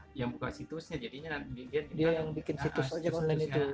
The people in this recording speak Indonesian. dia yang buka situsnya jadi nanti dia yang bikin situs saja online itu